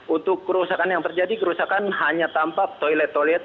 untuk kerusakan yang terjadi kerusakan hanya tampak toilet toilet